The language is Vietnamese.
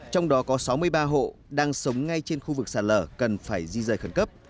trong đó có sáu mươi ba hộ đang sống ngay trên khu vực sạt lở cần phải di rời khẩn cấp